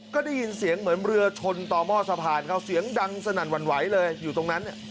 ก็ได้ยินเสียงเหมือนเรือชนต่อหม้อสะพานเขาเสียงดังสนั่นหวั่นไหวเลยอยู่ตรงนั้น